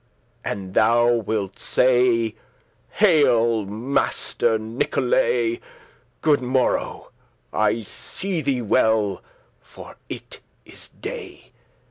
And thou wilt say, 'Hail, Master Nicholay, Good morrow, I see thee well, for it is day.